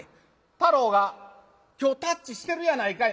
太郎が今日たっちしてるやないかい。